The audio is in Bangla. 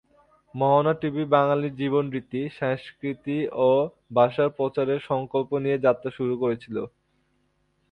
মোহনা টিভি বাঙালি জীবন রীতি, সংস্কৃতি ও ভাষার প্রচারের সংকল্প নিয়ে যাত্রা শুরু করেছিল।